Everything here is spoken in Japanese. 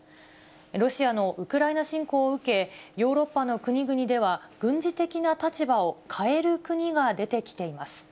ロシアのウクライナ侵攻を受け、ヨーロッパの国々では、軍事的な立場を変える国が出てきています。